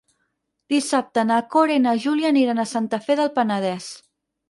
Dissabte na Cora i na Júlia aniran a Santa Fe del Penedès.